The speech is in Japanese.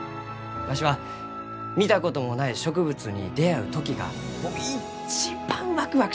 わしは見たこともない植物に出会う時が一番ワクワクしますき！